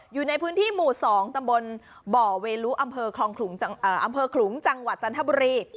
อยู่ในพื้นที่หมู่๒ตำบลบ่อเวลุอำเภอคลองอำเภอขลุงจังหวัดจันทบุรี